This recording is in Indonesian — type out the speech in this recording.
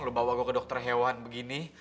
lu bawa gue ke dokter hewan begini